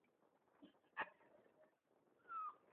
თრიალეთის ქედის ჩრდილოეთ მთისწინეთზე.